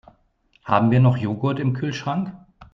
Haben wir noch Joghurt im Kühlschrank?